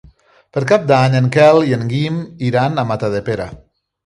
Per Cap d'Any en Quel i en Guim iran a Matadepera.